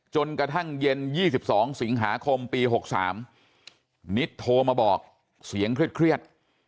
จนกระทั่งเย็น๒๒สิงหาคมปี๖๓นิดโทรมาบอกเสียงเครียด